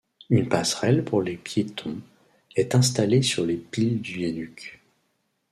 Une passerelle pour les piétons est installée sur les piles du viaduc.